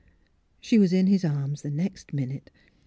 " She was in his arms the next minute.